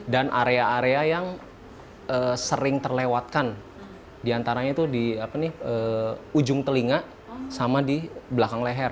dan area area yang sering terlewatkan di antaranya itu di ujung telinga sama di belakang leher